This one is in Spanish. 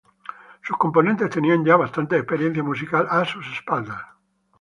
Sus componentes tenían ya bastante experiencia musical a sus espaldas.